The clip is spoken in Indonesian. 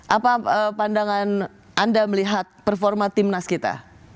apa pandangan anda melihat performa timnas kita